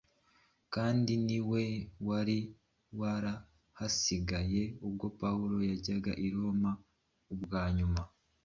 kandi ni we wari warahasigaye ubwo Pawulo yajyaga i Roma ubwa nyuma.